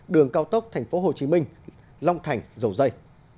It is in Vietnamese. đường cao tốc tp hcm long thành dầu dây